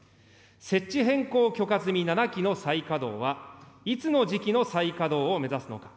設置変更許可済７基の再稼働は、いつの時期の再稼働を目指すのか。